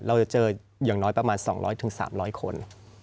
เราจะเจออย่างน้อยประมาณ๒๐๐๓๐๐คน